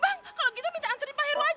bang kalau gitu minta antarin pak heru aja